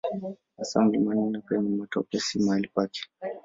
Hasa mlimani na penye matope si mahali pake.